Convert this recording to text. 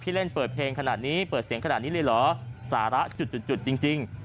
เล่นเปิดเพลงขนาดนี้เปิดเสียงขนาดนี้เลยเหรอสาระจุดจุดจริง